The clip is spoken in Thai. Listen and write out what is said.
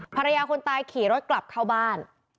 ภรรยาคนตายขี่รถกลับเข้าบ้าน